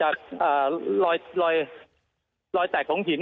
รอยแตกของหิน